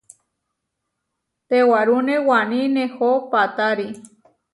Tewarúne waní nehó paʼtári.